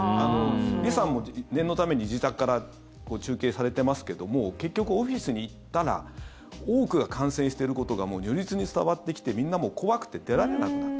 リさんも念のために自宅から中継されていますけども結局オフィスに行ったら多くが感染していることが如実に伝わってきてみんなもう怖くて出られなくなった。